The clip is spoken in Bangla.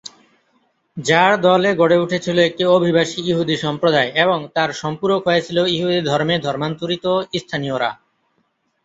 যার দলে গড়ে উঠেছিল একটি অভিবাসী ইহুদি সম্প্রদায় এবং তার সম্পূরক হয়েছিল ইহুদি ধর্মে ধর্মান্তরিত স্থানীয়রা।